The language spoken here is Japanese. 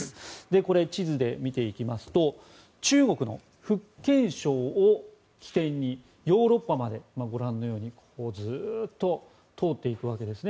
これ、地図で見ていきますと中国の福建省を起点にヨーロッパまでご覧のようにここをずっと通っていくわけですね。